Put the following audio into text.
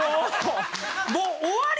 もう！